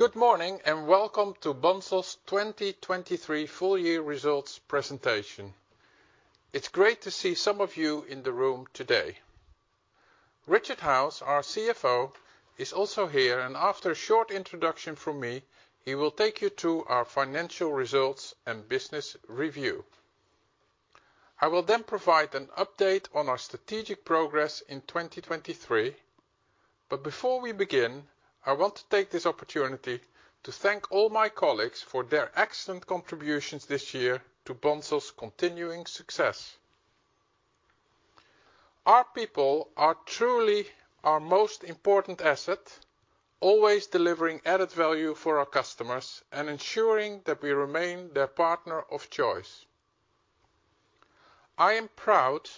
Good morning and welcome to Bunzl's 2023 full-year results presentation. It's great to see some of you in the room today. Richard Howes, our CFO, is also here, and after a short introduction from me, he will take you through our financial results and business review. I will then provide an update on our strategic progress in 2023, but before we begin, I want to take this opportunity to thank all my colleagues for their excellent contributions this year to Bunzl's continuing success. Our people are truly our most important asset, always delivering added value for our customers and ensuring that we remain their partner of choice. I am proud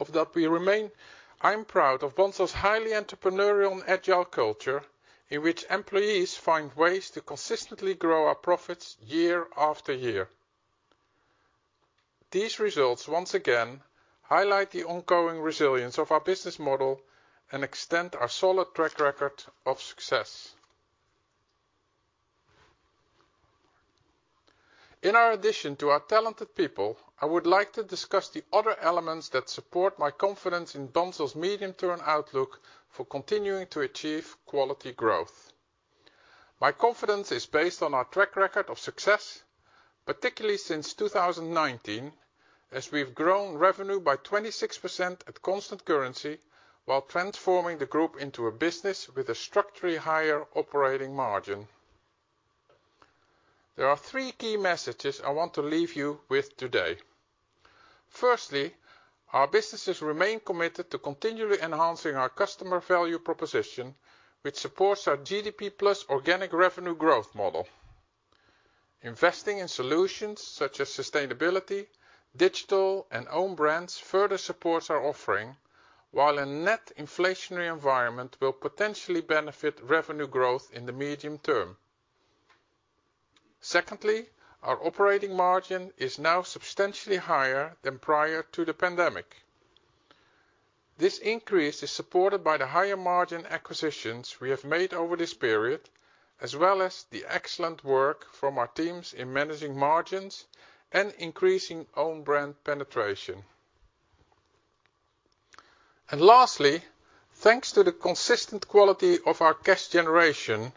of Bunzl's highly entrepreneurial and agile culture, in which employees find ways to consistently grow our profits year after year. These results, once again, highlight the ongoing resilience of our business model and extend our solid track record of success. In addition to our talented people, I would like to discuss the other elements that support my confidence in Bunzl's medium-term outlook for continuing to achieve quality growth. My confidence is based on our track record of success, particularly since 2019, as we've grown revenue by 26% at constant currency while transforming the group into a business with a structurally higher operating margin. There are three key messages I want to leave you with today. Firstly, our businesses remain committed to continually enhancing our customer value proposition, which supports our GDP+ organic revenue growth model. Investing in solutions such as sustainability, digital, and own brands further supports our offering, while a net inflationary environment will potentially benefit revenue growth in the medium term. Secondly, our operating margin is now substantially higher than prior to the pandemic. This increase is supported by the higher margin acquisitions we have made over this period, as well as the excellent work from our teams in managing margins and increasing own brand penetration. And lastly, thanks to the consistent quality of our cash generation,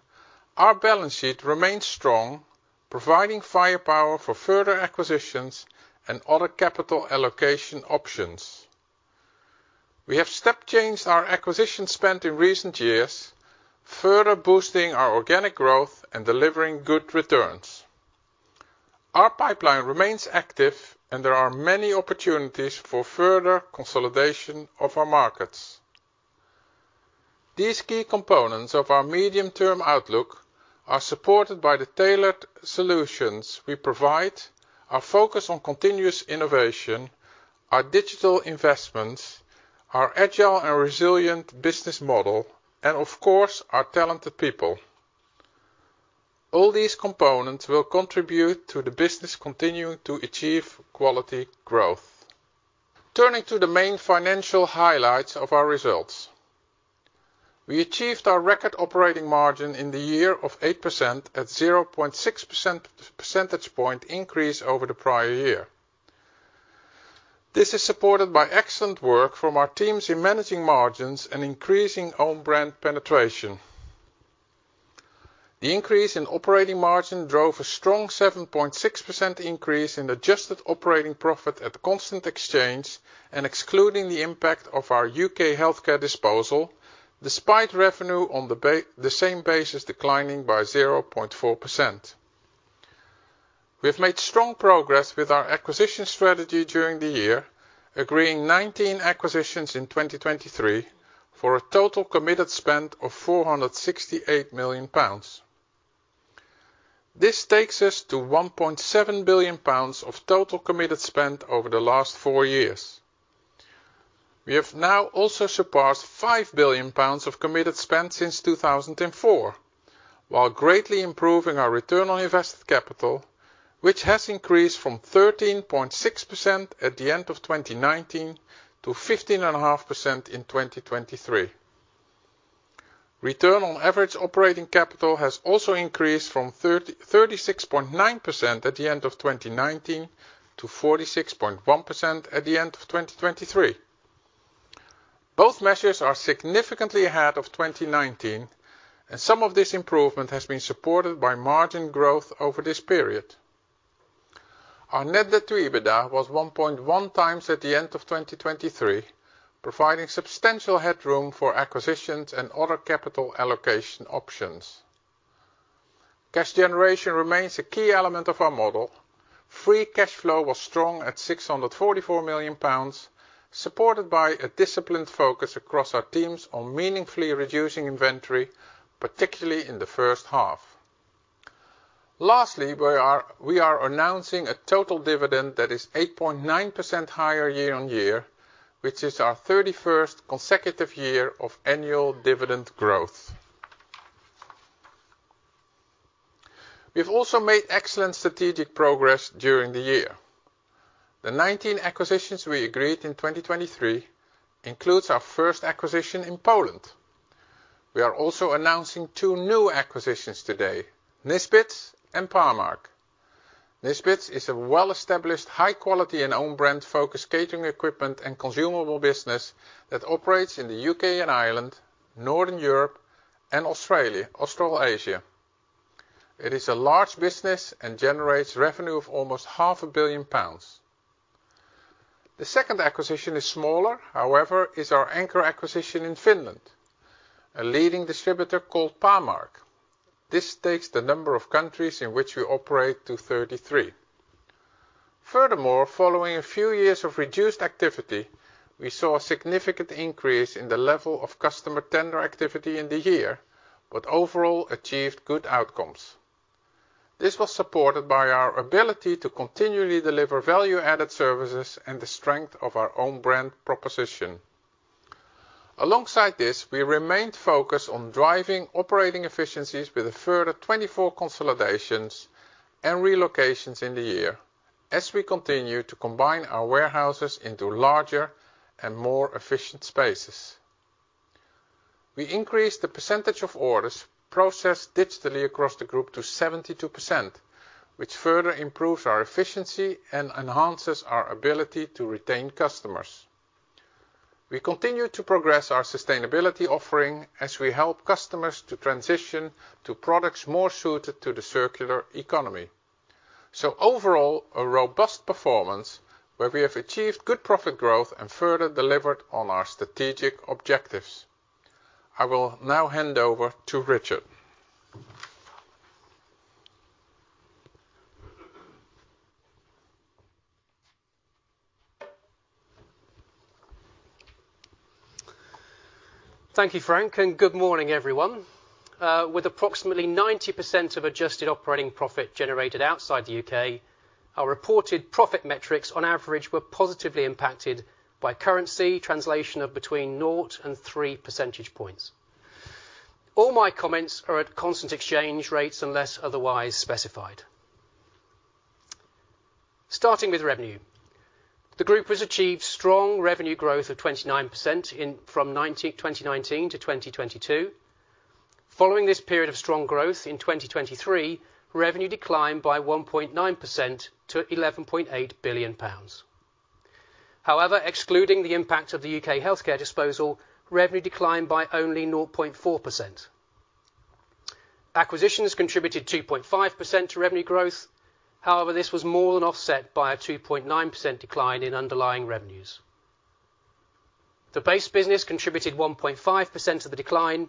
our balance sheet remains strong, providing firepower for further acquisitions and other capital allocation options. We have step-changed our acquisition spend in recent years, further boosting our organic growth and delivering good returns. Our pipeline remains active, and there are many opportunities for further consolidation of our markets. These key components of our medium-term outlook are supported by the tailored solutions we provide, our focus on continuous innovation, our digital investments, our agile and resilient business model, and of course our talented people. All these components will contribute to the business continuing to achieve quality growth. Turning to the main financial highlights of our results: We achieved our record operating margin in the year of 8% at a 0.6% increase over the prior year. This is supported by excellent work from our teams in managing margins and increasing own brand penetration. The increase in operating margin drove a strong 7.6% increase in adjusted operating profit at constant exchange and excluding the impact of our U.K. healthcare disposal, despite revenue on the same basis declining by 0.4%. We have made strong progress with our acquisition strategy during the year, agreeing 19 acquisitions in 2023 for a total committed spend of 468 million pounds. This takes us to 1.7 billion pounds of total committed spend over the last four years. We have now also surpassed 5 billion pounds of committed spend since 2004, while greatly improving our return on invested capital, which has increased from 13.6% at the end of 2019 to 15.5% in 2023. Return on average operating capital has also increased from 36.9% at the end of 2019 to 46.1% at the end of 2023. Both measures are significantly ahead of 2019, and some of this improvement has been supported by margin growth over this period. Our net debt to EBITDA was 1.1 times at the end of 2023, providing substantial headroom for acquisitions and other capital allocation options. Cash generation remains a key element of our model: free cash flow was strong at 644 million pounds, supported by a disciplined focus across our teams on meaningfully reducing inventory, particularly in the first half. Lastly, we are announcing a total dividend that is 8.9% higher year-over-year, which is our 31st consecutive year of annual dividend growth. We have also made excellent strategic progress during the year. The 19 acquisitions we agreed on in 2023 include our first acquisition in Poland. We are also announcing two new acquisitions today: Nisbets and Pamark. Nisbets is a well-established, high-quality and own brand focused catering equipment and consumable business that operates in the U.K. and Ireland, Northern Europe, and Australasia. It is a large business and generates revenue of almost 500 million pounds. The second acquisition is smaller, however, is our anchor acquisition in Finland, a leading distributor called Pamark. This takes the number of countries in which we operate to 33. Furthermore, following a few years of reduced activity, we saw a significant increase in the level of customer tender activity in the year, but overall achieved good outcomes. This was supported by our ability to continually deliver value-added services and the strength of our own brand proposition. Alongside this, we remained focused on driving operating efficiencies with a further 24 consolidations and relocations in the year, as we continue to combine our warehouses into larger and more efficient spaces. We increased the percentage of orders processed digitally across the group to 72%, which further improves our efficiency and enhances our ability to retain customers. We continue to progress our sustainability offering as we help customers to transition to products more suited to the circular economy. So overall, a robust performance where we have achieved good profit growth and further delivered on our strategic objectives. I will now hand over to Richard. Thank you, Frank, and good morning everyone. With approximately 90% of adjusted operating profit generated outside the U.K., our reported profit metrics on average were positively impacted by currency translation of between 0.00 and 3 percentage points. All my comments are at constant exchange rates unless otherwise specified. Starting with revenue, the group has achieved strong revenue growth of 29% from 2019 to 2022. Following this period of strong growth, in 2023, revenue declined by 1.9% to 11.8 billion pounds. However, excluding the impact of the U.K. healthcare disposal, revenue declined by only 0.4%. Acquisitions contributed 2.5% to revenue growth. However, this was more than offset by a 2.9% decline in underlying revenues. The base business contributed 1.5% of the decline,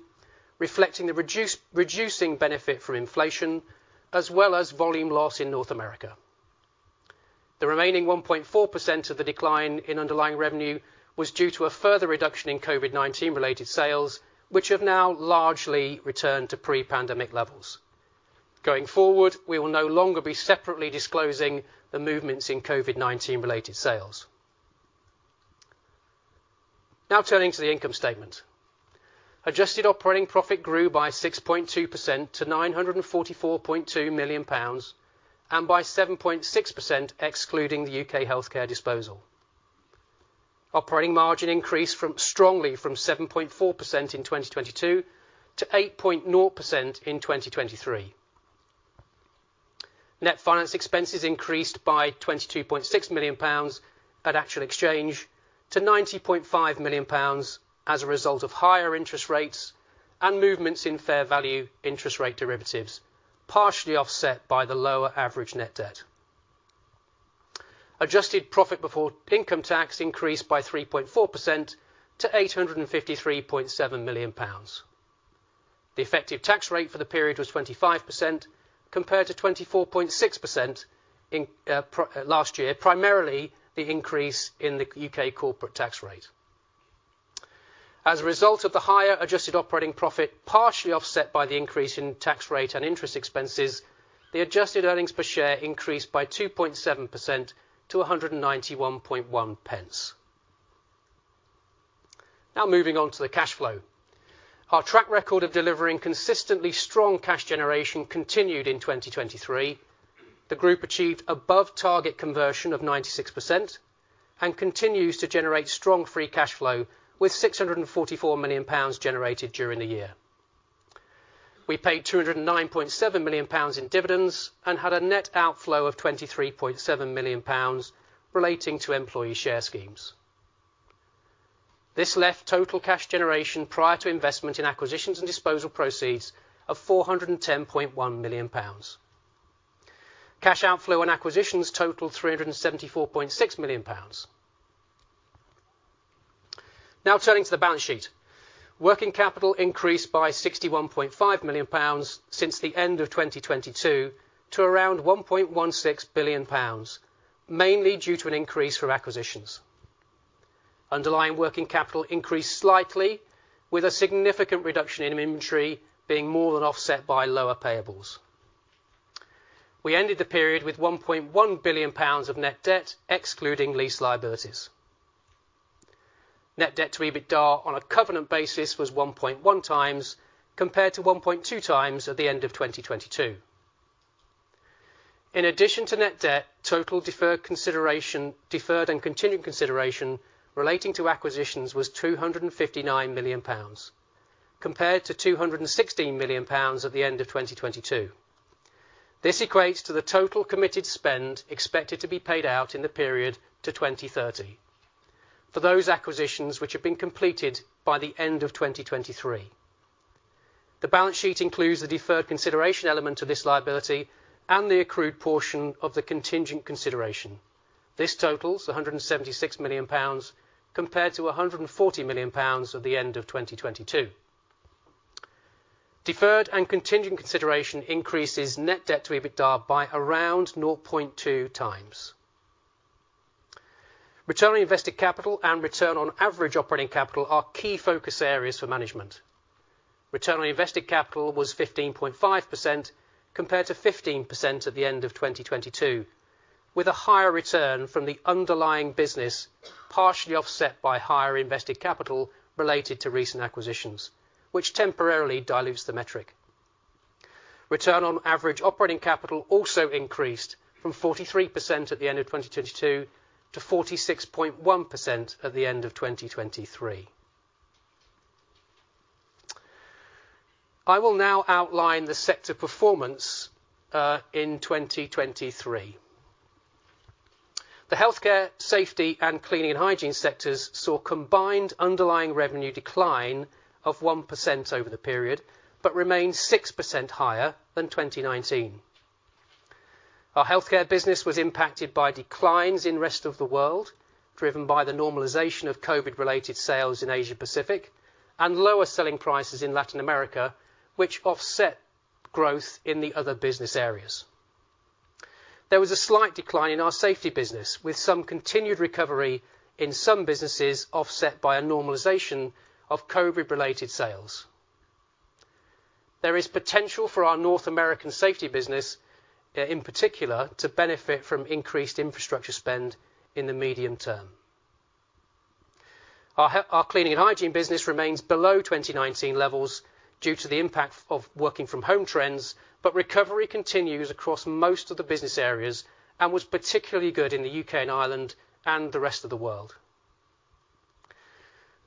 reflecting the reducing benefit from inflation, as well as volume loss in North America. The remaining 1.4% of the decline in underlying revenue was due to a further reduction in COVID-19-related sales, which have now largely returned to pre-pandemic levels. Going forward, we will no longer be separately disclosing the movements in COVID-19-related sales. Now turning to the income statement. Adjusted operating profit grew by 6.2% to 944.2 million pounds and by 7.6% excluding the U.K. healthcare disposal. Operating margin increased strongly from 7.4% in 2022 to 8.0% in 2023. Net finance expenses increased by 22.6 million pounds at actual exchange to 90.5 million pounds as a result of higher interest rates and movements in fair value interest rate derivatives, partially offset by the lower average net debt. Adjusted profit before income tax increased by 3.4% to 853.7 million pounds. The effective tax rate for the period was 25% compared to 24.6% last year, primarily the increase in the U.K. corporate tax rate. As a result of the higher adjusted operating profit, partially offset by the increase in tax rate and interest expenses, the adjusted earnings per share increased by 2.7% to 191.1 pence. Now moving on to the cash flow. Our track record of delivering consistently strong cash generation continued in 2023. The group achieved above-target conversion of 96% and continues to generate strong free cash flow, with 644 million pounds generated during the year. We paid 209.7 million pounds in dividends and had a net outflow of 23.7 million pounds relating to employee share schemes. This left total cash generation prior to investment in acquisitions and disposal proceeds of 410.1 million pounds. Cash outflow and acquisitions totaled 374.6 million pounds. Now turning to the balance sheet. Working capital increased by 61.5 million pounds since the end of 2022 to around 1.16 billion pounds, mainly due to an increase for acquisitions. Underlying working capital increased slightly, with a significant reduction in inventory being more than offset by lower payables. We ended the period with 1.1 billion pounds of net debt excluding lease liabilities. Net debt to EBITDA on a covenant basis was 1.1 times compared to 1.2 times at the end of 2022. In addition to net debt, total deferred and contingent consideration relating to acquisitions was 259 million pounds, compared to 216 million pounds at the end of 2022. This equates to the total committed spend expected to be paid out in the period to 2030, for those acquisitions which have been completed by the end of 2023. The balance sheet includes the deferred consideration element of this liability and the accrued portion of the contingent consideration. This totals 176 million pounds compared to 140 million pounds at the end of 2022. Deferred and contingent consideration increases net debt to EBITDA by around 0.2 times. Return on invested capital and return on average operating capital are key focus areas for management. Return on invested capital was 15.5% compared to 15% at the end of 2022, with a higher return from the underlying business, partially offset by higher invested capital related to recent acquisitions, which temporarily dilutes the metric. Return on average operating capital also increased from 43% at the end of 2022 to 46.1% at the end of 2023. I will now outline the sector performance in 2023. The healthcare, safety, and cleaning and hygiene sectors saw combined underlying revenue decline of 1% over the period, but remained 6% higher than 2019. Our healthcare business was impacted by declines in the Rest of the World, driven by the normalization of COVID-related sales in Asia-Pacific, and lower selling prices in Latin America, which offset growth in the other business areas. There was a slight decline in our safety business, with some continued recovery in some businesses offset by a normalization of COVID-related sales. There is potential for our North American safety business, in particular, to benefit from increased infrastructure spend in the medium term. Our cleaning and hygiene business remains below 2019 levels due to the impact of working-from-home trends, but recovery continues across most of the business areas and was particularly good in the U.K. and Ireland and the rest of the world.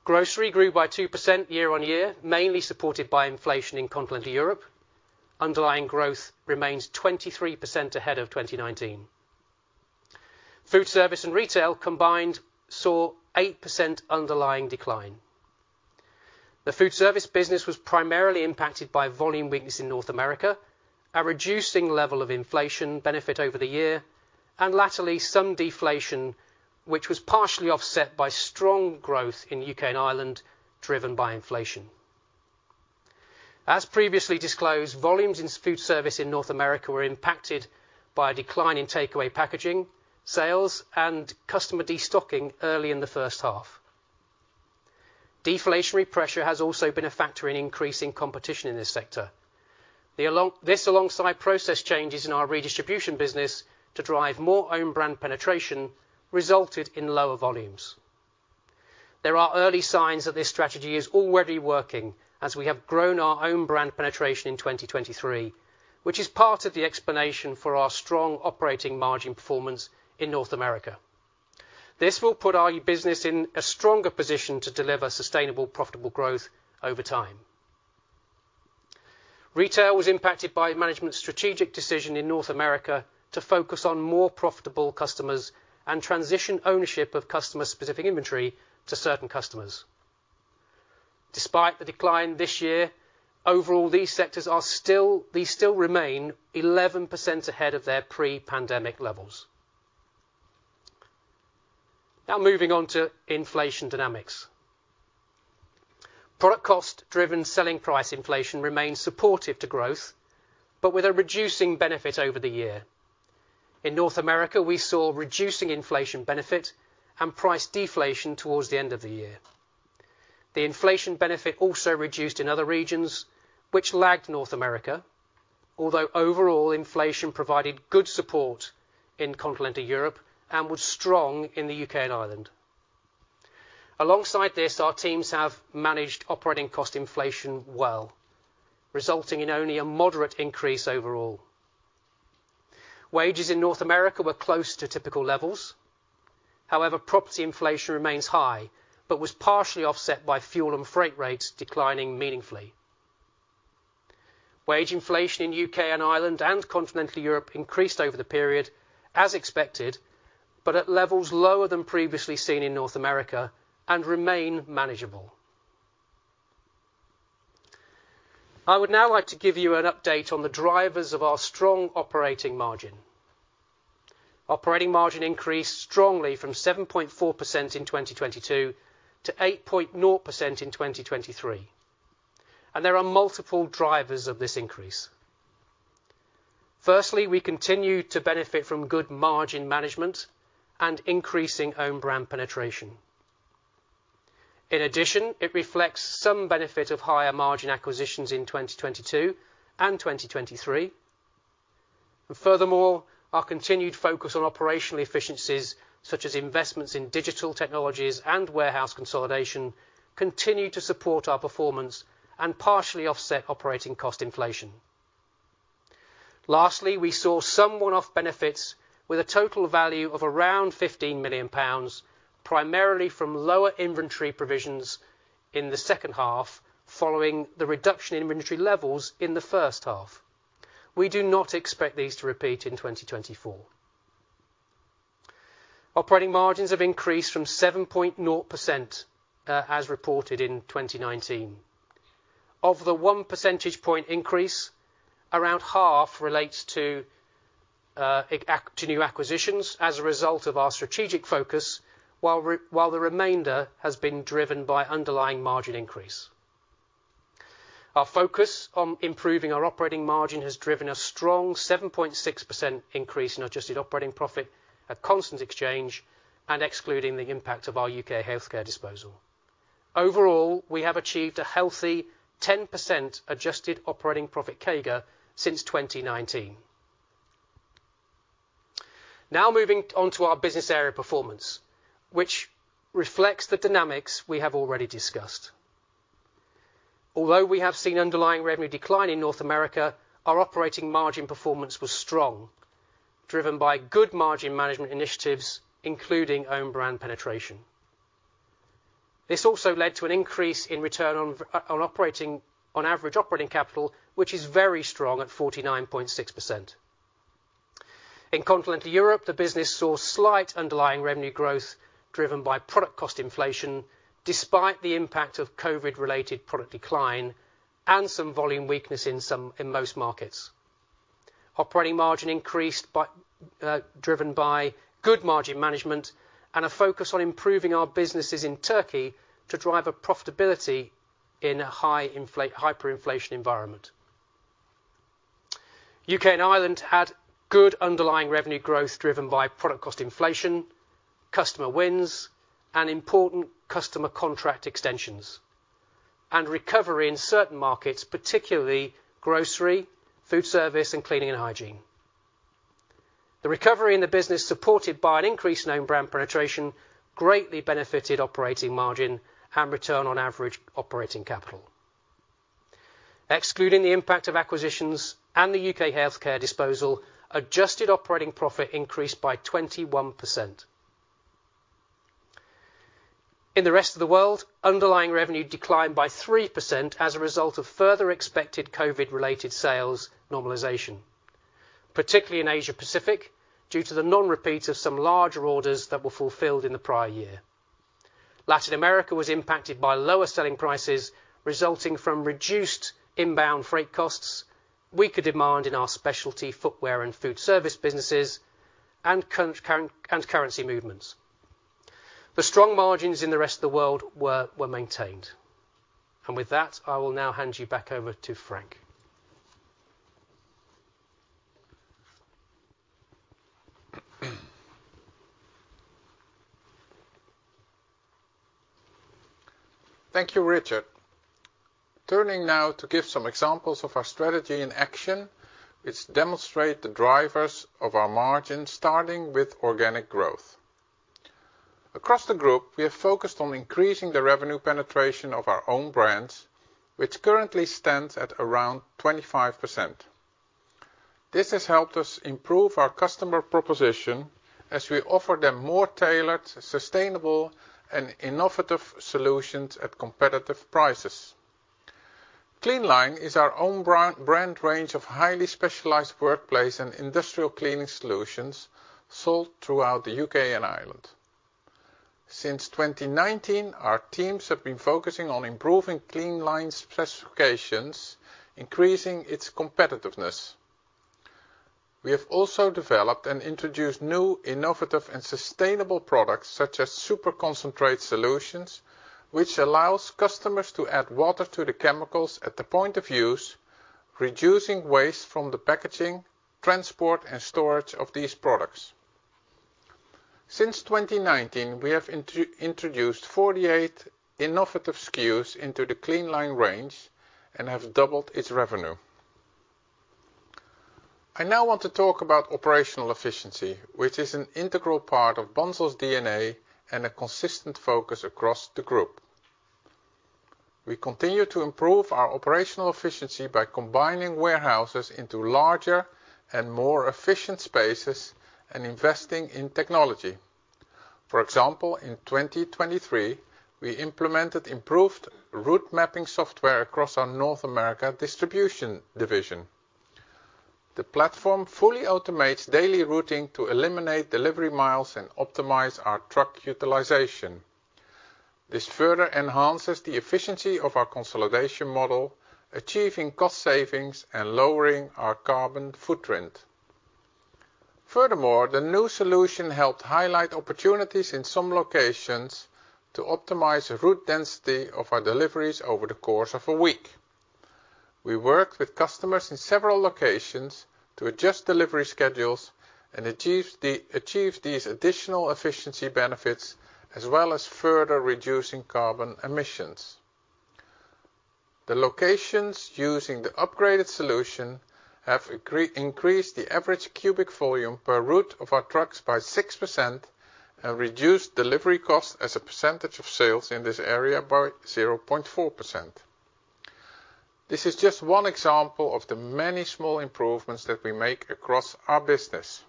Grocery grew by 2% year-over-year, mainly supported by inflation in Continental Europe. Underlying growth remains 23% ahead of 2019. Food service and retail combined saw 8% underlying decline. The food service business was primarily impacted by volume weakness in North America, a reducing level of inflation benefit over the year, and latterly some deflation, which was partially offset by strong growth in the U.K. and Ireland driven by inflation. As previously disclosed, volumes in food service in North America were impacted by a decline in takeout packaging, sales, and customer destocking early in the first half. Deflationary pressure has also been a factor in increasing competition in this sector. This alongside process changes in our redistribution business to drive more own brand penetration resulted in lower volumes. There are early signs that this strategy is already working, as we have grown our own brand penetration in 2023, which is part of the explanation for our strong operating margin performance in North America. This will put our business in a stronger position to deliver sustainable, profitable growth over time. Retail was impacted by management's strategic decision in North America to focus on more profitable customers and transition ownership of customer-specific inventory to certain customers. Despite the decline this year, overall, these sectors still remain 11% ahead of their pre-pandemic levels. Now moving on to inflation dynamics. Product cost-driven selling price inflation remains supportive to growth, but with a reducing benefit over the year. In North America, we saw reducing inflation benefit and price deflation towards the end of the year. The inflation benefit also reduced in other regions, which lagged North America, although overall inflation provided good support in Continental Europe and was strong in the U.K. and Ireland. Alongside this, our teams have managed operating cost inflation well, resulting in only a moderate increase overall. Wages in North America were close to typical levels. However, property inflation remains high, but was partially offset by fuel and freight rates declining meaningfully. Wage inflation in the U.K. and Ireland and continental Europe increased over the period, as expected, but at levels lower than previously seen in North America and remain manageable. I would now like to give you an update on the drivers of our strong operating margin. Operating margin increased strongly from 7.4% in 2022 to 8.0% in 2023. There are multiple drivers of this increase. Firstly, we continue to benefit from good margin management and increasing own brand penetration. In addition, it reflects some benefit of higher margin acquisitions in 2022 and 2023. Furthermore, our continued focus on operational efficiencies, such as investments in digital technologies and warehouse consolidation, continue to support our performance and partially offset operating cost inflation. Lastly, we saw some one-off benefits with a total value of around 15 million pounds, primarily from lower inventory provisions in the second half following the reduction in inventory levels in the first half. We do not expect these to repeat in 2024. Operating margins have increased from 7.0% as reported in 2019. Of the one percentage point increase, around half relates to new acquisitions as a result of our strategic focus, while the remainder has been driven by underlying margin increase. Our focus on improving our operating margin has driven a strong 7.6% increase in adjusted operating profit at constant exchange and excluding the impact of our U.K. healthcare disposal. Overall, we have achieved a healthy 10% adjusted operating profit CAGR since 2019. Now moving on to our business area performance, which reflects the dynamics we have already discussed. Although we have seen underlying revenue decline in North America, our operating margin performance was strong, driven by good margin management initiatives, including own brand penetration. This also led to an increase in return on average operating capital, which is very strong at 49.6%. In Continental Europe, the business saw slight underlying revenue growth driven by product cost inflation, despite the impact of COVID-related product decline and some volume weakness in most markets. Operating margin increased driven by good margin management and a focus on improving our businesses in Turkey to drive profitability in a hyperinflation environment. The U.K. and Ireland had good underlying revenue growth driven by product cost inflation, customer wins, and important customer contract extensions, and recovery in certain markets, particularly grocery, food service, and cleaning and hygiene. The recovery in the business, supported by an increase in own brand penetration, greatly benefited operating margin and return on average operating capital. Excluding the impact of acquisitions and the U.K. healthcare disposal, adjusted operating profit increased by 21%. In the rest of the world, underlying revenue declined by 3% as a result of further expected COVID-related sales normalization, particularly in Asia-Pacific, due to the non-repeat of some larger orders that were fulfilled in the prior year. Latin America was impacted by lower selling prices, resulting from reduced inbound freight costs, weaker demand in our specialty footwear and food service businesses, and currency movements. The strong margins in the rest of the world were maintained. With that, I will now hand you back over to Frank. Thank you, Richard. Turning now to give some examples of our strategy in action which demonstrate the drivers of our margin, starting with organic growth. Across the group, we have focused on increasing the revenue penetration of our own brands, which currently stands at around 25%. This has helped us improve our customer proposition as we offer them more tailored, sustainable, and innovative solutions at competitive prices. Cleanline is our own brand range of highly specialized workplace and industrial cleaning solutions sold throughout the U.K. and Ireland. Since 2019, our teams have been focusing on improving Cleanline's specifications, increasing its competitiveness. We have also developed and introduced new, innovative, and sustainable products such as super-concentrate solutions, which allows customers to add water to the chemicals at the point of use, reducing waste from the packaging, transport, and storage of these products. Since 2019, we have introduced 48 innovative SKUs into the Cleanline range and have doubled its revenue. I now want to talk about operational efficiency, which is an integral part of Bunzl's DNA and a consistent focus across the group. We continue to improve our operational efficiency by combining warehouses into larger and more efficient spaces and investing in technology. For example, in 2023, we implemented improved route mapping software across our North America distribution division. The platform fully automates daily routing to eliminate delivery miles and optimize our truck utilization. This further enhances the efficiency of our consolidation model, achieving cost savings and lowering our carbon footprint. Furthermore, the new solution helped highlight opportunities in some locations to optimize route density of our deliveries over the course of a week. We worked with customers in several locations to adjust delivery schedules and achieve these additional efficiency benefits, as well as further reducing carbon emissions. The locations using the upgraded solution have increased the average cubic volume per route of our trucks by 6% and reduced delivery costs as a percentage of sales in this area by 0.4%. This is just one example of the many small improvements that we make across our business.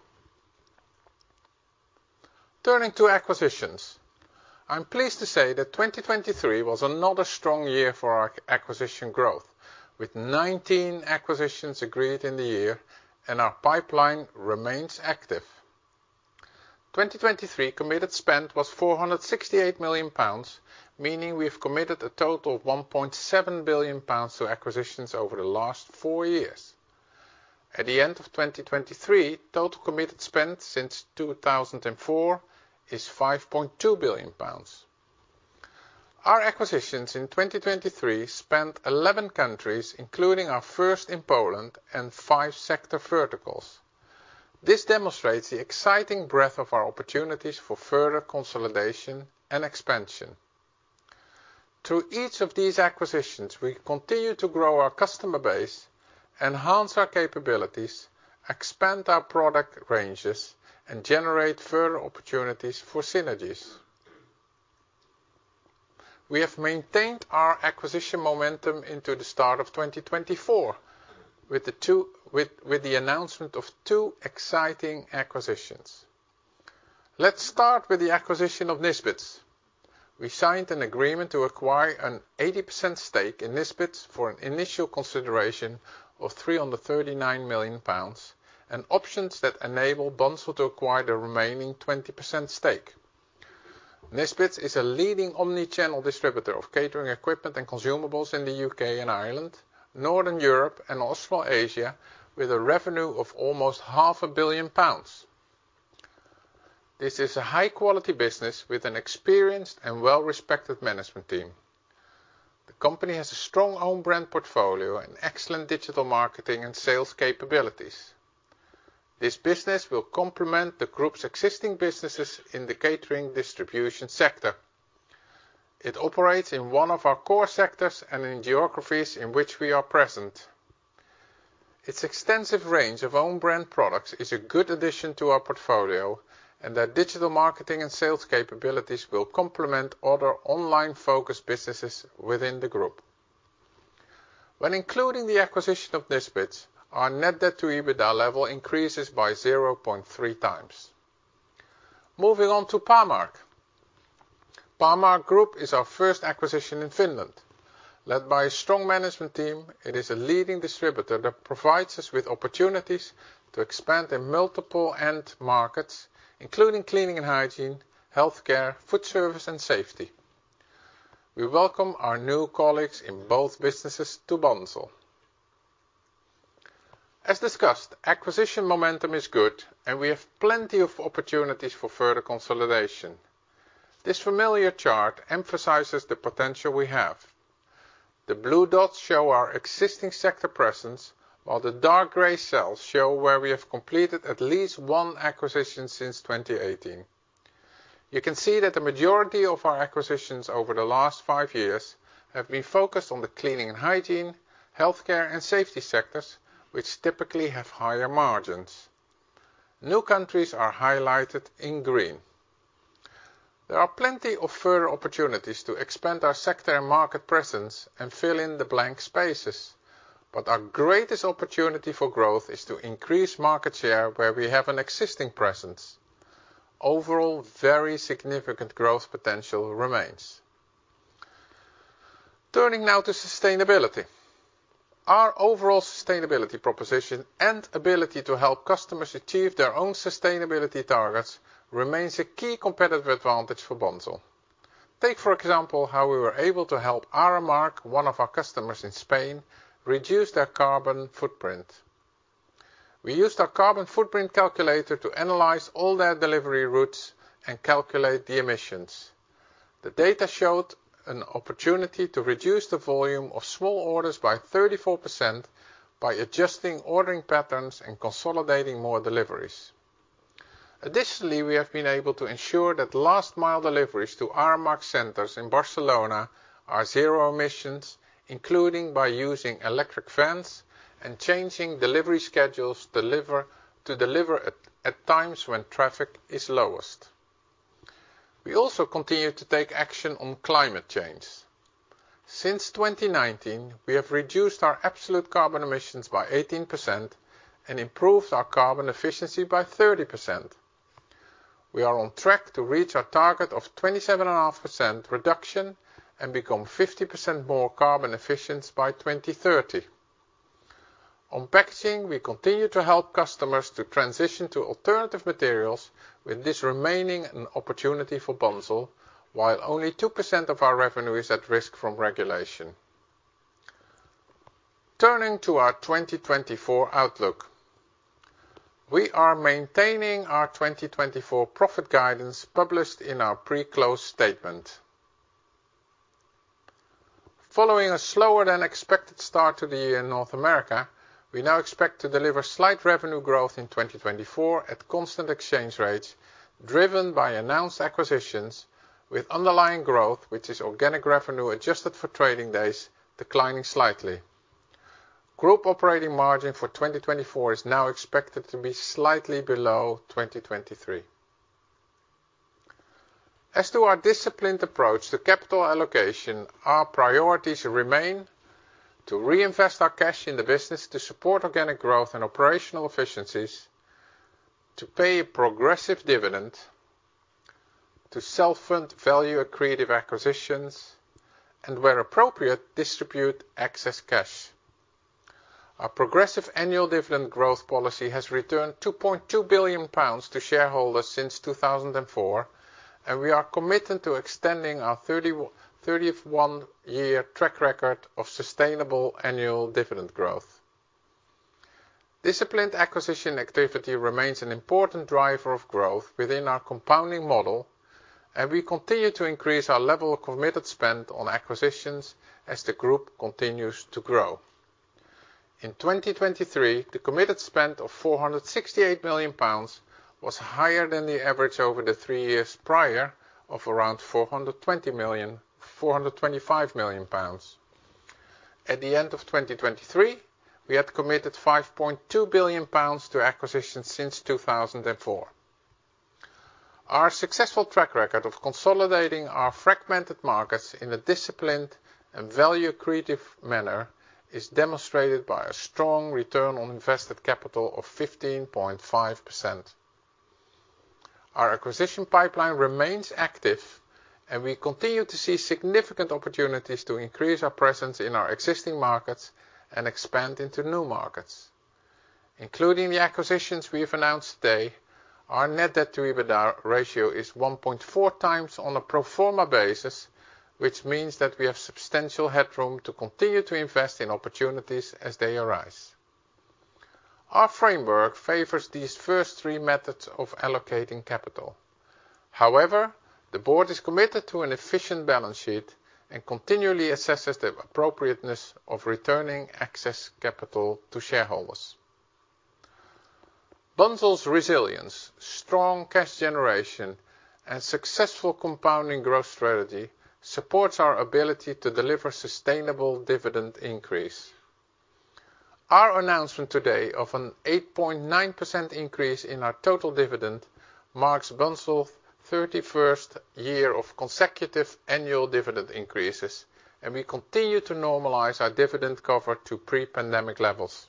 Turning to acquisitions. I am pleased to say that 2023 was not a strong year for our acquisition growth, with 19 acquisitions agreed in the year and our pipeline remains active. 2023 committed spend was 468 million pounds, meaning we have committed a total of 1.7 billion pounds to acquisitions over the last four years. At the end of 2023, total committed spend since 2004 is 5.2 billion pounds. Our acquisitions in 2023 spanned 11 countries, including our first in Poland and five sector verticals. This demonstrates the exciting breadth of our opportunities for further consolidation and expansion. Through each of these acquisitions, we continue to grow our customer base, enhance our capabilities, expand our product ranges, and generate further opportunities for synergies. We have maintained our acquisition momentum into the start of 2024 with the announcement of two exciting acquisitions. Let's start with the acquisition of Nisbets. We signed an agreement to acquire an 80% stake in Nisbets for an initial consideration of 339 million pounds and options that enable Bunzl to acquire the remaining 20% stake. Nisbets is a leading omnichannel distributor of catering equipment and consumables in the U.K. and Ireland, northern Europe, and Australasia, with a revenue of almost 500 million pounds. This is a high-quality business with an experienced and well-respected management team. The company has a strong own brand portfolio and excellent digital marketing and sales capabilities. This business will complement the group's existing businesses in the catering distribution sector. It operates in one of our core sectors and in geographies in which we are present. Its extensive range of own brand products is a good addition to our portfolio, and their digital marketing and sales capabilities will complement other online-focused businesses within the group. When including the acquisition of Nisbets, our net debt to EBITDA level increases by 0.3 times. Moving on to Pamark. Pamark Group is our first acquisition in Finland. Led by a strong management team, it is a leading distributor that provides us with opportunities to expand in multiple end markets, including cleaning and hygiene, healthcare, food service, and safety. We welcome our new colleagues in both businesses to Bunzl. As discussed, acquisition momentum is good, and we have plenty of opportunities for further consolidation. This familiar chart emphasizes the potential we have. The blue dots show our existing sector presence, while the dark grey cells show where we have completed at least one acquisition since 2018. You can see that the majority of our acquisitions over the last five years have been focused on the cleaning and hygiene, healthcare, and safety sectors, which typically have higher margins. New countries are highlighted in green. There are plenty of further opportunities to expand our sector and market presence and fill in the blank spaces, but our greatest opportunity for growth is to increase market share where we have an existing presence. Overall, very significant growth potential remains. Turning now to sustainability. Our overall sustainability proposition and ability to help customers achieve their own sustainability targets remains a key competitive advantage for Bunzl. Take, for example, how we were able to help Aramark, one of our customers in Spain, reduce their carbon footprint. We used our carbon footprint calculator to analyze all their delivery routes and calculate the emissions. The data showed an opportunity to reduce the volume of small orders by 34% by adjusting ordering patterns and consolidating more deliveries. Additionally, we have been able to ensure that last-mile deliveries to Aramark centers in Barcelona are zero emissions, including by using electric vans and changing delivery schedules to deliver at times when traffic is lowest. We also continue to take action on climate change. Since 2019, we have reduced our absolute carbon emissions by 18% and improved our carbon efficiency by 30%. We are on track to reach our target of 27.5% reduction and become 50% more carbon efficient by 2030. On packaging, we continue to help customers to transition to alternative materials, with this remaining an opportunity for Bunzl, while only 2% of our revenue is at risk from regulation. Turning to our 2024 outlook. We are maintaining our 2024 profit guidance published in our pre-close statement. Following a slower-than-expected start to the year in North America, we now expect to deliver slight revenue growth in 2024 at constant exchange rates, driven by announced acquisitions, with underlying growth, which is organic revenue adjusted for trading days, declining slightly. Group operating margin for 2024 is now expected to be slightly below 2023. As to our disciplined approach to capital allocation, our priorities remain: to reinvest our cash in the business to support organic growth and operational efficiencies, to pay a progressive dividend, to self-fund value accretive acquisitions, and where appropriate, distribute excess cash. Our progressive annual dividend growth policy has returned 2.2 billion pounds to shareholders since 2004, and we are committed to extending our 31-year track record of sustainable annual dividend growth. Disciplined acquisition activity remains an important driver of growth within our compounding model, and we continue to increase our level of committed spend on acquisitions as the group continues to grow. In 2023, the committed spend of 468 million pounds was higher than the average over the three years prior of around 425 million pounds. At the end of 2023, we had committed 5.2 billion pounds to acquisitions since 2004. Our successful track record of consolidating our fragmented markets in a disciplined and value accretive manner is demonstrated by a strong return on invested capital of 15.5%. Our acquisition pipeline remains active, and we continue to see significant opportunities to increase our presence in our existing markets and expand into new markets. Including the acquisitions we have announced today, our net debt to EBITDA ratio is 1.4 times on a pro forma basis, which means that we have substantial headroom to continue to invest in opportunities as they arise. Our framework favors these first three methods of allocating capital. However, the board is committed to an efficient balance sheet and continually assesses the appropriateness of returning excess capital to shareholders. Bunzl's resilience, strong cash generation, and successful compounding growth strategy support our ability to deliver sustainable dividend increases. Our announcement today of an 8.9% increase in our total dividend marks Bunzl's 31st year of consecutive annual dividend increases, and we continue to normalise our dividend cover to pre-pandemic levels.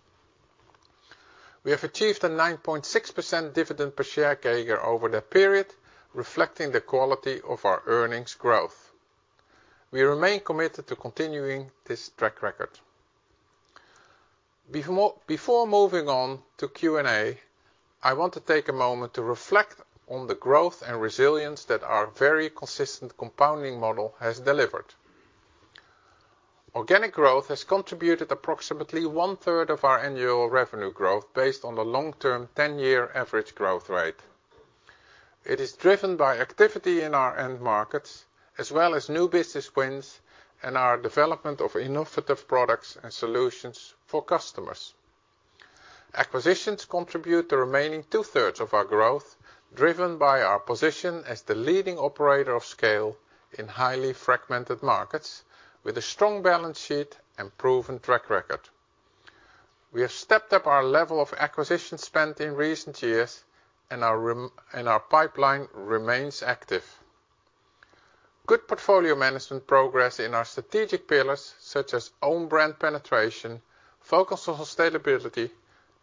We have achieved a 9.6% dividend per share CAGR over that period, reflecting the quality of our earnings growth. We remain committed to continuing this track record. Before moving on to Q&A, I want to take a moment to reflect on the growth and resilience that our very consistent compounding model has delivered. Organic growth has contributed approximately one-third of our annual revenue growth based on the long-term 10-year average growth rate. It is driven by activity in our end markets, as well as new business wins and our development of innovative products and solutions for customers. Acquisitions contribute the remaining two-thirds of our growth, driven by our position as the leading operator of scale in highly fragmented markets, with a strong balance sheet and proven track record. We have stepped up our level of acquisition spend in recent years, and our pipeline remains active. Good portfolio management progress in our strategic pillars, such as own brand penetration, focus on sustainability,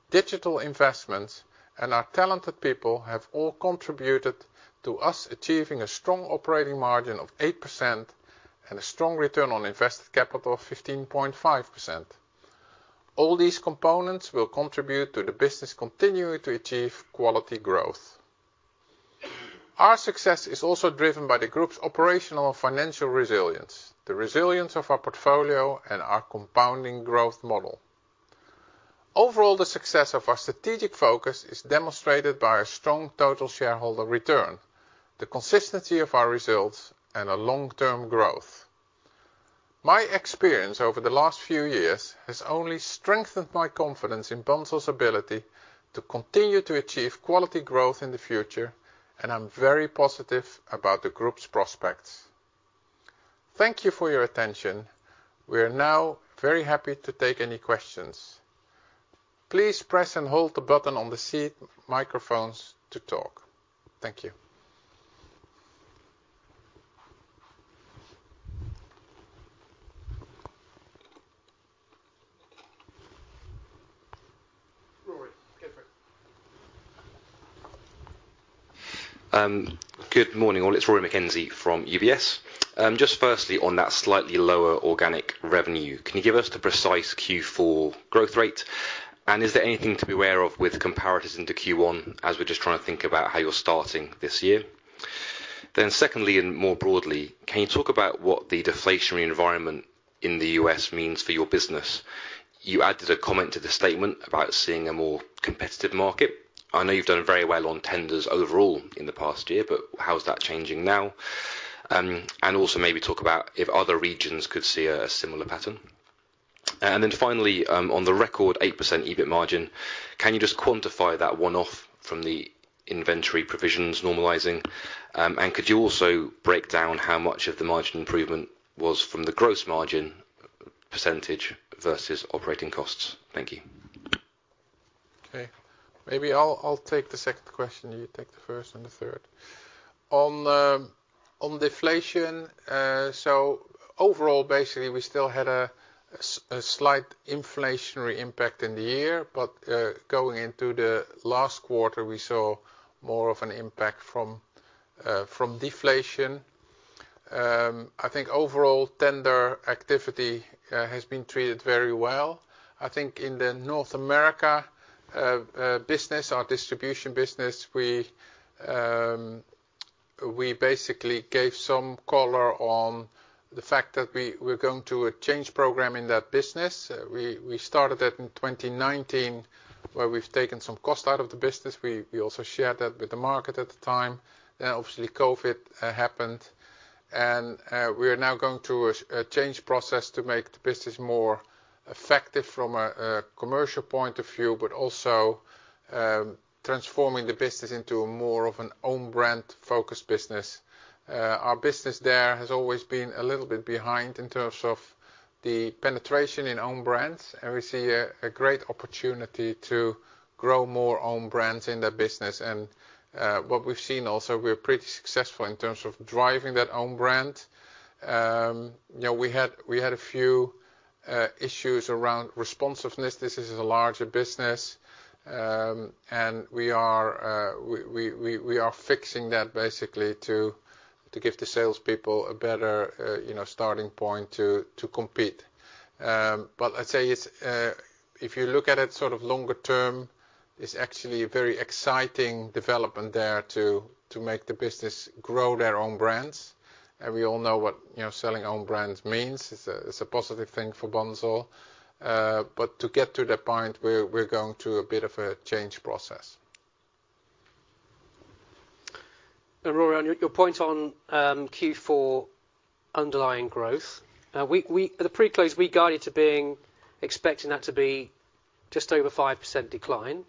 digital investments, and our talented people, have all contributed to us achieving a strong operating margin of 8% and a strong return on invested capital of 15.5%. All these components will contribute to the business continuing to achieve quality growth. Our success is also driven by the group's operational and financial resilience, the resilience of our portfolio, and our compounding growth model. Overall, the success of our strategic focus is demonstrated by a strong total shareholder return, the consistency of our results, and our long-term growth. My experience over the last few years has only strengthened my confidence in Bunzl's ability to continue to achieve quality growth in the future, and I am very positive about the group's prospects. Thank you for your attention. We are now very happy to take any questions. Please press and hold the button on the seat microphones to talk. Thank you. Rory. Good morning. It's Rory McKenzie from UBS. Just firstly, on that slightly lower organic revenue, can you give us the precise Q4 growth rate, and is there anything to be aware of with comparatives into Q1, as we're just trying to think about how you're starting this year? Then secondly, and more broadly, can you talk about what the deflationary environment in the U.S. means for your business? You added a comment to the statement about seeing a more competitive market? I know you've done very well on tenders overall in the past year, but how is that changing now? And also maybe talk about if other regions could see a similar pattern. And then finally, on the record 8% EBIT margin, can you just quantify that one-off from the inventory provisions normalizing? And could you also break down how much of the margin improvement was from the gross margin percentage versus operating costs? Thank you. Okay. Maybe I'll take the second question. You take the first and the third. On deflation, so overall, basically, we still had a slight inflationary impact in the year, but going into the last quarter, we saw more of an impact from deflation. I think overall tender activity has been treated very well. I think in the North America business, our distribution business, we basically gave some color on the fact that we're going through a change programme in that business. We started that in 2019, where we've taken some cost out of the business. We also shared that with the market at the time. Then obviously COVID happened, and we are now going through a change process to make the business more effective from a commercial point of view, but also transforming the business into more of an own brand-focused business. Our business there has always been a little bit behind in terms of the penetration in own brands, and we see a great opportunity to grow more own brands in that business. And what we've seen also, we're pretty successful in terms of driving that own brand. We had a few issues around responsiveness. This is a larger business, and we are fixing that basically to give the salespeople a better starting point to compete. But let's say, if you look at it sort of longer term, it's actually a very exciting development there to make the business grow their own brands. And we all know what selling own brands means. It's a positive thing for Bunzl, but to get to that point, we're going through a bit of a change process. Rory, on your point on Q4 underlying growth, at the pre-close, we guided to being expecting that to be just over 5% decline.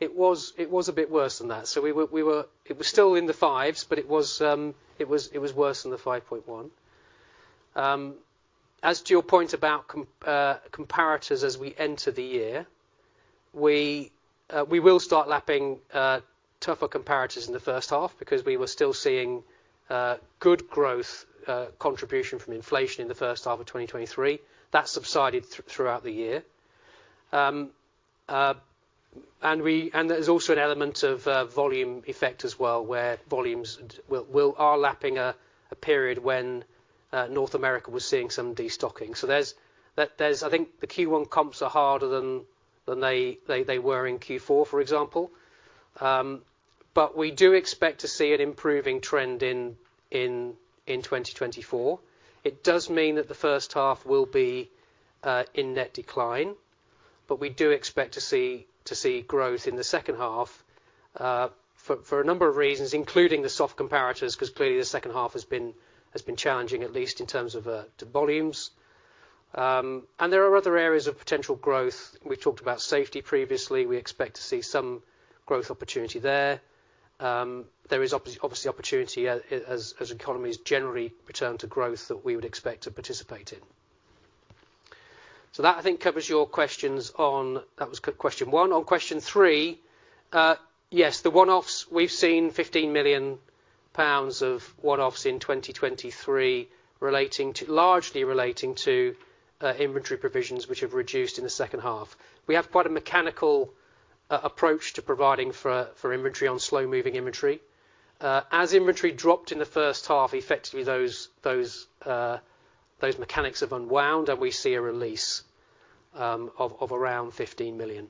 It was a bit worse than that. So it was still in the fives, but it was worse than the 5.1. As to your point about comparatives as we enter the year, we will start lapping tougher comparatives in the first half because we were still seeing good growth contribution from inflation in the first half of 2023. That subsided throughout the year. There's also an element of volume effect as well, where volumes are lapping a period when North America was seeing some destocking. I think the Q1 comps are harder than they were in Q4, for example. We do expect to see an improving trend in 2024. It does mean that the first half will be in net decline, but we do expect to see growth in the second half for a number of reasons, including the soft comparatives, because clearly the second half has been challenging, at least in terms of volumes. There are other areas of potential growth. We've talked about safety previously. We expect to see some growth opportunity there. There is obviously opportunity, as economies generally return to growth, that we would expect to participate in. So that, I think, covers your questions on that. That was question one. On question three, yes, the one-offs we've seen, 15 million pounds of one-offs in 2023, largely relating to inventory provisions, which have reduced in the second half. We have quite a mechanical approach to providing for inventory on slow-moving inventory. As inventory dropped in the first half, effectively those mechanics have unwound, and we see a release of around 15 million.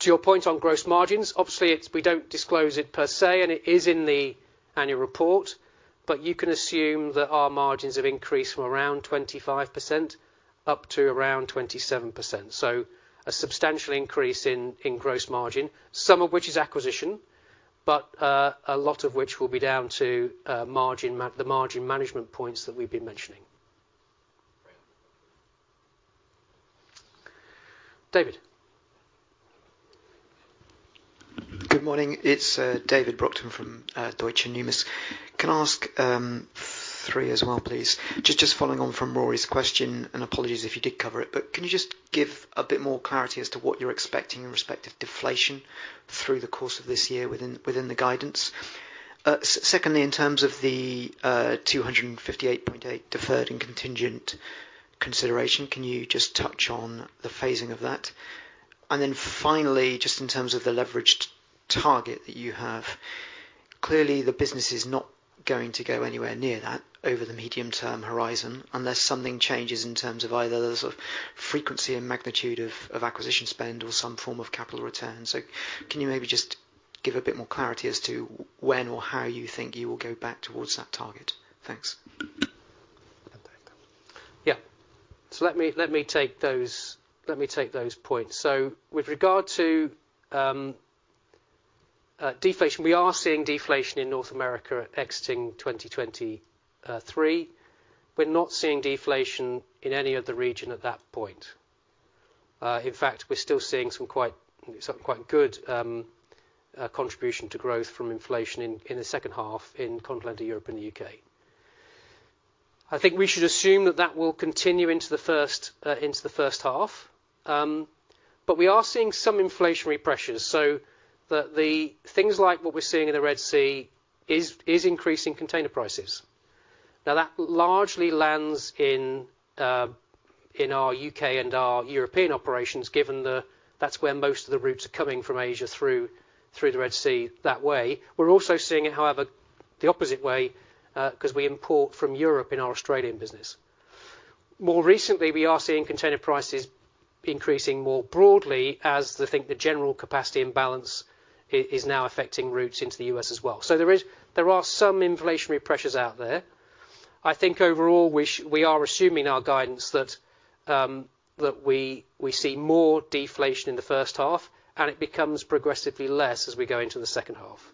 To your point on gross margins, obviously we don't disclose it per se, and it is in the annual report, but you can assume that our margins have increased from around 25% up to around 27%. So a substantial increase in gross margin, some of which is acquisition, but a lot of which will be down to the margin management points that we've been mentioning. David. Good morning. It's David Brockton from Deutsche Numis. Can I ask three as well, please? Just following on from Rory's question, and apologies if you did cover it, but can you just give a bit more clarity as to what you're expecting in respect of deflation through the course of this year within the guidance? Secondly, in terms of the 258.8 deferred and contingent consideration, can you just touch on the phasing of that? Then finally, just in terms of the leverage target that you have, clearly the business is not going to go anywhere near that over the medium-term horizon unless something changes in terms of either the sort of frequency and magnitude of acquisition spend or some form of capital return. Can you maybe just give a bit more clarity as to when or how you think you will go back towards that target? Thanks. Yeah. Let me take those points. With regard to deflation, we are seeing deflation in North America exiting 2023. We're not seeing deflation in any of the region at that point. In fact, we're still seeing some quite good contribution to growth from inflation in the second half in Continental Europe, in the U.K. I think we should assume that that will continue into the first half, but we are seeing some inflationary pressures. So things like what we're seeing in the Red Sea is increasing container prices. Now, that largely lands in our U.K. and our European operations, given that's where most of the routes are coming from Asia through the Red Sea that way. We're also seeing it, however, the opposite way because we import from Europe in our Australian business. More recently, we are seeing container prices increasing more broadly as I think the general capacity imbalance is now affecting routes into the U.S. as well. So there are some inflationary pressures out there. I think overall, we are assuming in our guidance that we see more deflation in the first half, and it becomes progressively less as we go into the second half.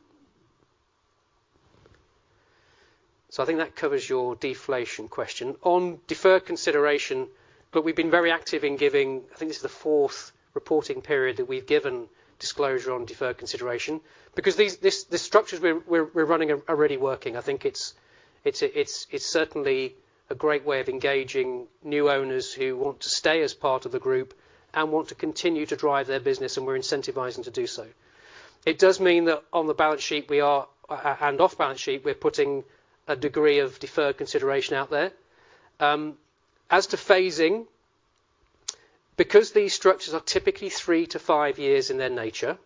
So I think that covers your deflation question. On deferred consideration, look, we've been very active in giving I think this is the fourth reporting period that we've given disclosure on deferred consideration. Because the structures we're running are already working. I think it's certainly a great way of engaging new owners who want to stay as part of the group and want to continue to drive their business, and we're incentivizing to do so. It does mean that on the balance sheet and off-balance sheet, we're putting a degree of deferred consideration out there. As to phasing, because these structures are typically three to five years in their nature,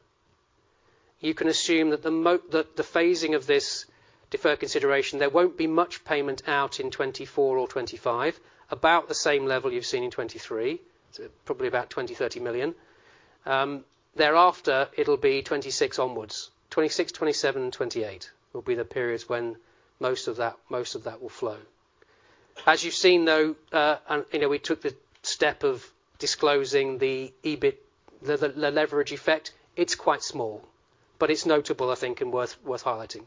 you can assume that the phasing of this deferred consideration, there won't be much payment out in 2024 or 2025, about the same level you've seen in 2023. It's probably about 20-30 million. Thereafter, it'll be 2026 onwards. 2026, 2027, 2028 will be the periods when most of that will flow. As you've seen, though, and we took the step of disclosing the leverage effect, it's quite small, but it's notable, I think, and worth highlighting.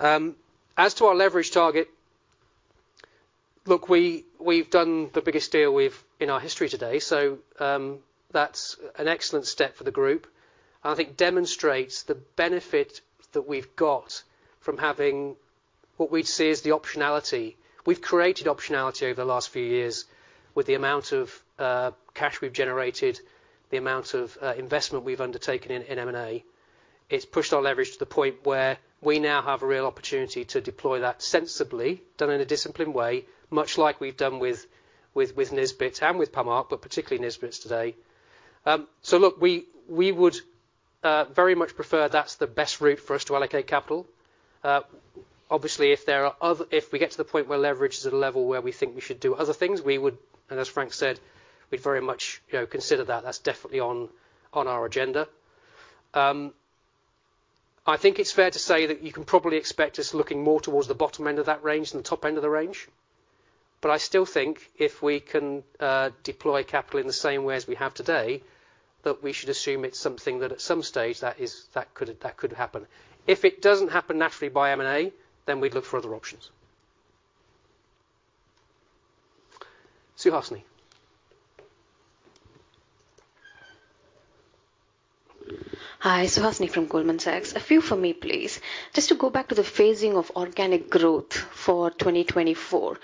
As to our leverage target, look, we've done the biggest deal in our history today, so that's an excellent step for the group. And I think it demonstrates the benefit that we've got from having what we'd see as the optionality. We've created optionality over the last few years with the amount of cash we've generated, the amount of investment we've undertaken in M&A. It's pushed our leverage to the point where we now have a real opportunity to deploy that sensibly, done in a disciplined way, much like we've done with Nisbets and with Pamark, but particularly Nisbets today. So look, we would very much prefer that's the best route for us to allocate capital. Obviously, if we get to the point where leverage is at a level where we think we should do other things, we would, and as Frank said, we'd very much consider that. That's definitely on our agenda. I think it's fair to say that you can probably expect us looking more towards the bottom end of that range than the top end of the range. But I still think if we can deploy capital in the same way as we have today, that we should assume it's something that at some stage that could happen. If it doesn't happen naturally by M&A, then we'd look for other options. Suhasini. Hi. Suhasini Varanasi from Goldman Sachs. A few for me, please. Just to go back to the phasing of organic growth for 2024,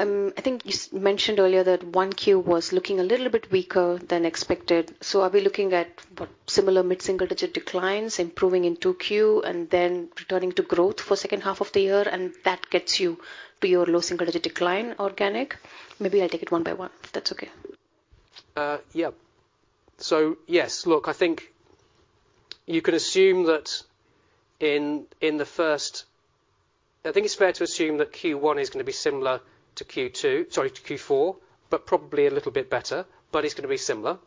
I think you mentioned earlier that 1Q was looking a little bit weaker than expected. So are we looking at similar mid-single-digit declines, improving in 2Q, and then returning to growth for second half of the year, and that gets you to your low single-digit decline organic? Maybe I'll take it one by one if that's okay. Yeah. So yes. Look, I think you can assume that I think it's fair to assume that Q1 is going to be similar to Q2, sorry, to Q4, but probably a little bit better, but it's going to be similar.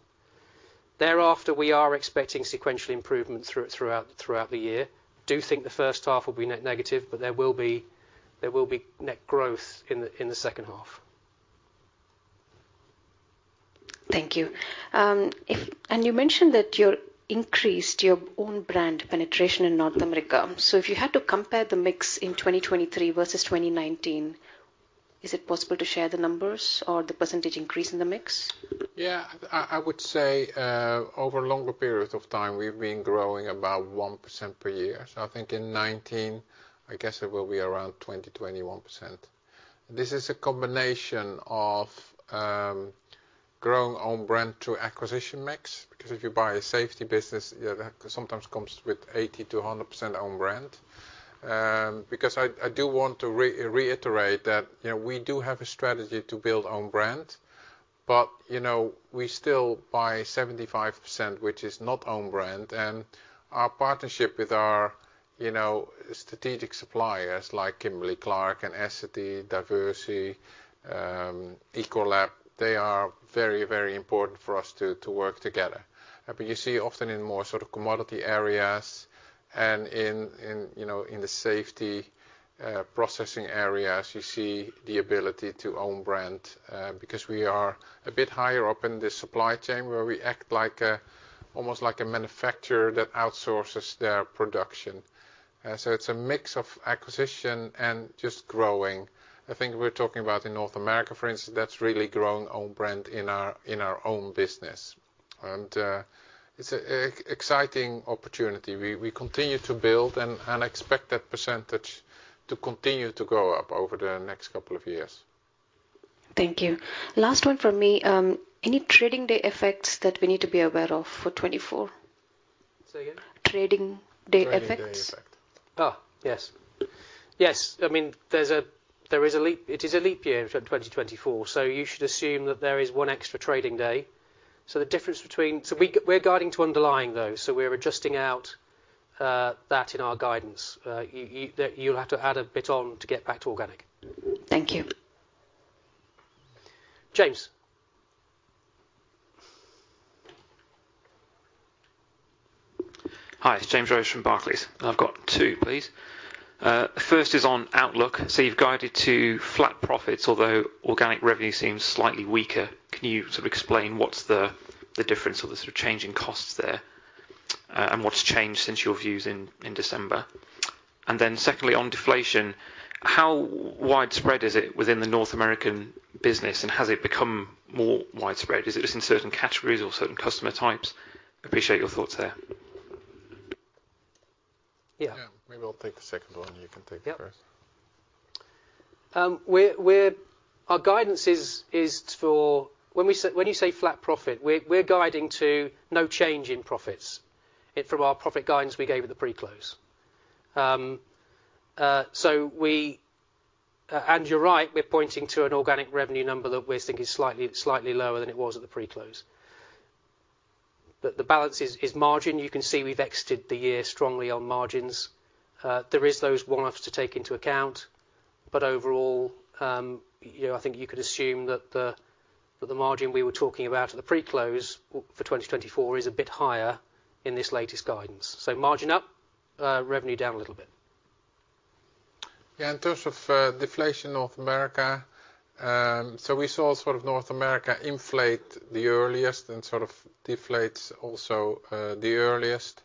Thereafter, we are expecting sequentially improvement throughout the year. Do think the first half will be net negative, but there will be net growth in the second half. Thank you. You mentioned that you increased your own brand penetration in North America. So if you had to compare the mix in 2023 versus 2019, is it possible to share the numbers or the percentage increase in the mix? Yeah. I would say over a longer period of time, we've been growing about 1% per year. So I think in 2019, I guess it will be around 20%-21%. This is a combination of growing own brand to acquisition mix because if you buy a safety business, that sometimes comes with 80%-100% own brand. Because I do want to reiterate that we do have a strategy to build own brand, but we still buy 75%, which is not own brand. And our partnership with our strategic suppliers like Kimberly-Clark, and Essity, Diversey, Ecolab, they are very, very important for us to work together. But you see often in more sort of commodity areas and in the safety processing areas, you see the ability to own brand because we are a bit higher up in the supply chain where we act almost like a manufacturer that outsources their production. So it's a mix of acquisition and just growing. I think we're talking about in North America, for instance, that's really growing own brand in our own business. And it's an exciting opportunity. We continue to build and expect that percentage to continue to go up over the next couple of years. Thank you. Last one from me. Any trading day effects that we need to be aware of for 2024? Say again? Trading day effects? Trading day effect. Oh, yes. Yes. I mean, there is a leap. It is a leap year in 2024, so you should assume that there is one extra trading day. So the difference between so we're guiding to underlying, though, so we're adjusting out that in our guidance. You'll have to add a bit on to get back to organic. Thank you. James. Hi. It's James Rose from Barclays. I've got two, please. The first is on outlook. So you've guided to flat profits, although organic revenue seems slightly weaker. Can you sort of explain what's the difference or the sort of change in costs there and what's changed since your views in December? And then secondly, on deflation, how widespread is it within the North American business, and has it become more widespread? Is it just in certain categories or certain customer types? Appreciate your thoughts there. Yeah. Maybe I'll take the second one. You can take the first. Yeah. Our guidance is for when you say flat profit, we're guiding to no change in profits from our profit guidance we gave at the pre-close. And you're right. We're pointing to an organic revenue number that we think is slightly lower than it was at the pre-close. The balance is margin. You can see we've exited the year strongly on margins. There is those one-offs to take into account, but overall, I think you could assume that the margin we were talking about at the pre-close for 2024 is a bit higher in this latest guidance. So margin up, revenue down a little bit. Yeah. In terms of deflation North America, so we saw sort of North America inflate the earliest and sort of deflate also the earliest,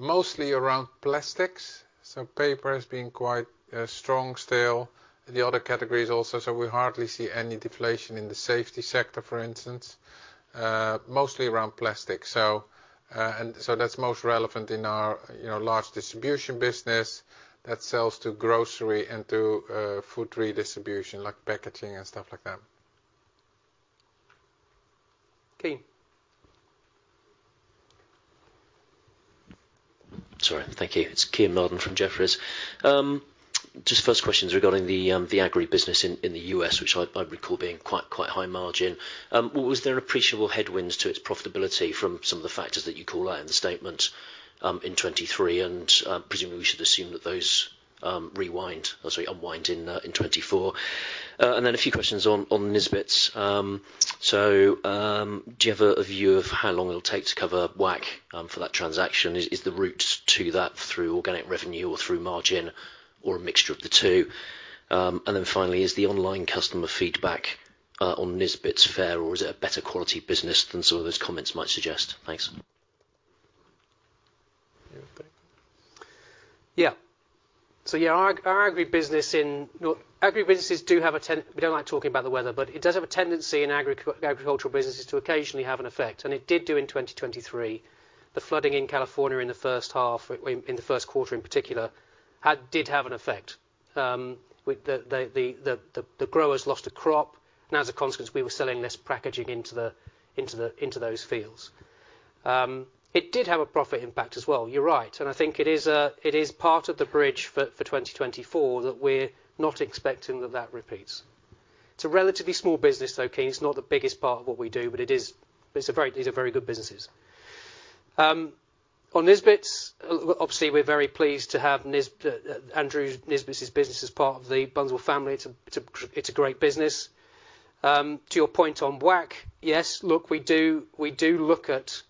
mostly around plastics. So paper has been quite strong still. The other categories also, so we hardly see any deflation in the safety sector, for instance, mostly around plastics. And so that's most relevant in our large distribution business that sells to grocery and to food redistribution like packaging and stuff like that. Kean. Sorry. Thank you. It's Kean Marden from Jefferies. Just first questions regarding the agribusiness in the U.S., which I recall being quite high margin. Was there an appreciable headwind to its profitability from some of the factors that you call out in the statement in 2023? And presumably, we should assume that those rewind or, sorry, unwind in 2024. And then a few questions on Nisbets. So do you have a view of how long it'll take to cover WACC for that transaction? Is the route to that through organic revenue or through margin or a mixture of the two? And then finally, is the online customer feedback on Nisbets fair, or is it a better quality business than some of those comments might suggest? Thanks. Yeah. So yeah, our agribusiness in agribusinesses do have a we don't like talking about the weather, but it does have a tendency in agricultural businesses to occasionally have an effect. And it did do in 2023. The flooding in California in the first half, in the first quarter in particular, did have an effect. The growers lost a crop, and as a consequence, we were selling less packaging into those fields. It did have a profit impact as well. You're right. And I think it is part of the bridge for 2024 that we're not expecting that that repeats. It's a relatively small business, though, Kean. It's not the biggest part of what we do, but these are very good businesses. On Nisbets, obviously, we're very pleased to have Andrew's Nisbets business as part of the Bunzl family. It's a great business. To your point on WACC, yes. Look, we do look at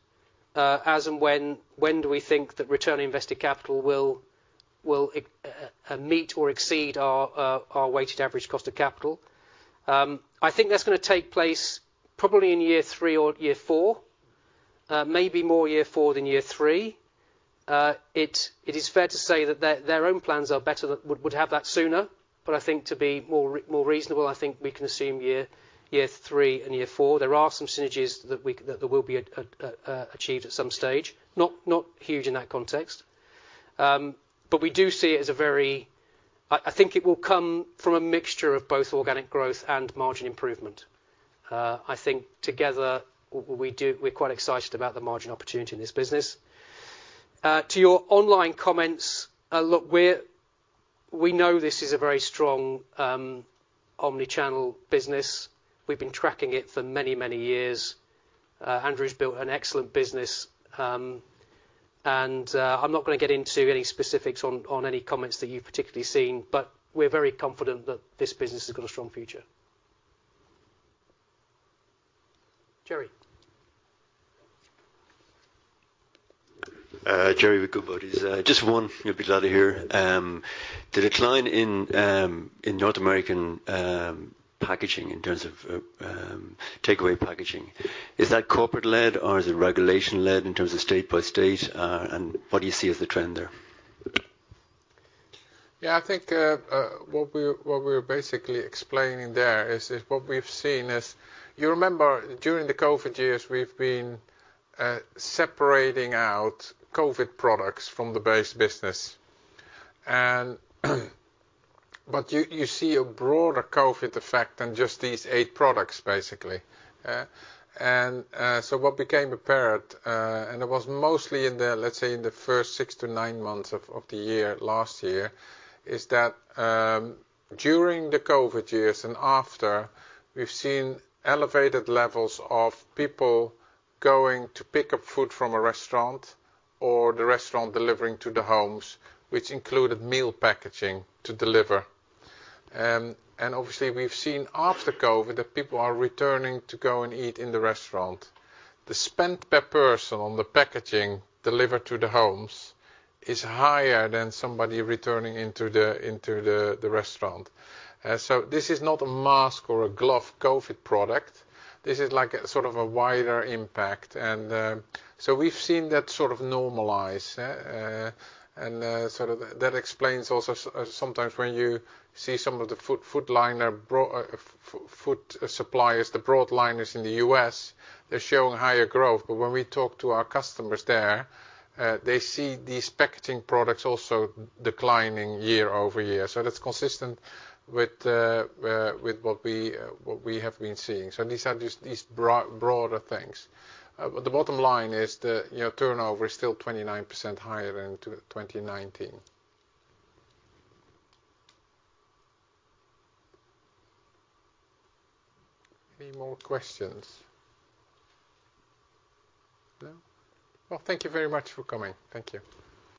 as and when do we think that return on invested capital will meet or exceed our weighted average cost of capital. I think that's going to take place probably in year three or year four, maybe more year four than year three. It is fair to say that their own plans would have that sooner, but I think to be more reasonable, I think we can assume year three and year four. There are some synergies that will be achieved at some stage, not huge in that context. But we do see it as a very I think it will come from a mixture of both organic growth and margin improvement. I think together, we're quite excited about the margin opportunity in this business. To your online comments, look, we know this is a very strong omnichannel business. We've been tracking it for many, many years. Andrew's built an excellent business. And I'm not going to get into any specifics on any comments that you've particularly seen, but we're very confident that this business has got a strong future. Gerry. Gerry, morning everybody. Just one. You'll be glad to hear. The decline in North American packaging in terms of takeaway packaging, is that corporate-led, or is it regulation-led in terms of state by state? And what do you see as the trend there? Yeah. I think what we're basically explaining there is what we've seen is you remember during the COVID years, we've been separating out COVID products from the base business. But you see a broader COVID effect than just these eight products, basically. And so what became apparent, and it was mostly in the, let's say, in the first 6-9 months of the year last year, is that during the COVID years and after, we've seen elevated levels of people going to pick up food from a restaurant or the restaurant delivering to the homes, which included meal packaging to deliver. And obviously, we've seen after COVID that people are returning to go and eat in the restaurant. The spend per person on the packaging delivered to the homes is higher than somebody returning into the restaurant. So this is not a mask or a glove COVID product. This is sort of a wider impact. And so we've seen that sort of normalize. So that explains also sometimes when you see some of the broadline food suppliers, the broadliners in the U.S., they're showing higher growth. But when we talk to our customers there, they see these packaging products also declining year-over-year. So that's consistent with what we have been seeing. So these are just these broader things. But the bottom line is the turnover is still 29% higher than in 2019. Any more questions? No? Well, thank you very much for coming. Thank you.